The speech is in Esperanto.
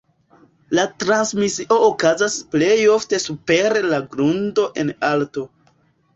La transmisio okazas plej ofte super la grundo en alto.